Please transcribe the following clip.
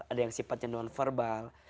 ada yang sifatnya non verbal